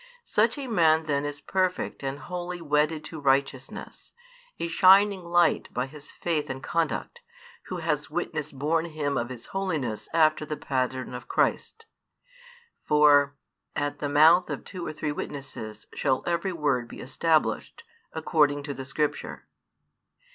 Such a man then is perfect and wholly wedded to righteousness, a shining light by his faith and conduct, who has witness borne him of his holiness after |326 the pattern of Christ. For At the mouth of two or three witnesses shall every word be established, according to the Scripture.